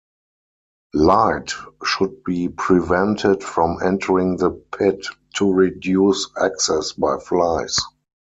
Light should be prevented from entering the pit to reduce access by flies.